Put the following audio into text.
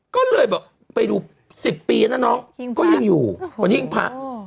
ก็เลยบอกไปดูสิบปีน่ะน้องก็ยังอยู่หิ้งพระวันนี้หิ้งพระ